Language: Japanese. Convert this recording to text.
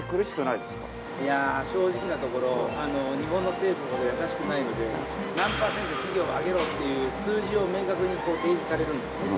いや正直なところ日本の政府ほど優しくないので「何パーセント企業は上げろ」っていう数字を明確に提示されるんですね。